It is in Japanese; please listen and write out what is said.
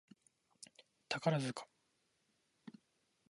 宝塚